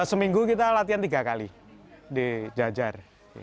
seminggu kita latihan tiga kali di jajar